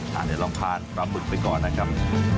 เดี๋ยวลองทานปลาหมึกไปก่อนนะครับ